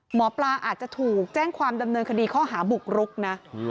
หมอปลาอาจจะถูกแจ้งความดำเนินคดีข้อหาบุกรุกนะ